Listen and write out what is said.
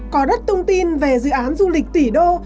có đất tung tin về dự án du lịch tỷ đô